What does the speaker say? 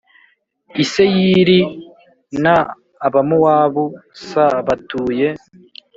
i Seyiri r n Abamowabu s batuye